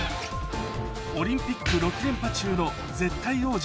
オリンピック６連覇中の絶対王者